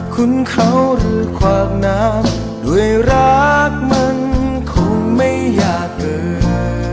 คุณเขาหรือคนขวางน้ำด้วยรักมันคงไม่ยากเกิน